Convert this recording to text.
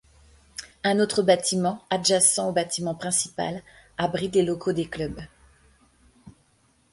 Un autre bâtiment adjacent au bâtiment principal abrite les locaux des clubs.